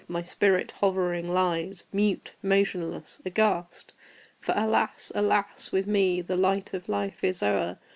my spirit hovering lies Mute, motionless, aghast! For, alas! alas! with me The light of Life is o'er!